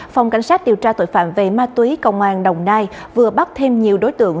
phòng cảnh sát điều tra tội phạm về ma túy công an đồng nai vừa bắt thêm nhiều đối tượng